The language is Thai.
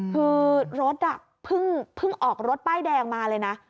คือรถเพิ่งออกรถป้ายแดงมาเลยนะ